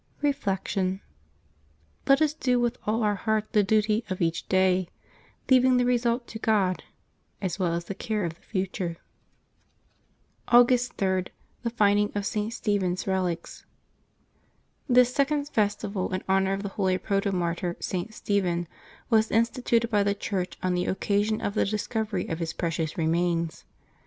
Reflection. — Let us do with all our heart the duty of each day, leaving the result to God, as well as the care of the future. 270 LIVES OF THE SAINTS [August 3 August 3.~ THE FINDING OF ST. STEPHEN'S RELICS. ^^His second festival in honor of the holy protomartyr V / St. Stephen was instituted by the Church on the occasion of the discovery of his precious remains.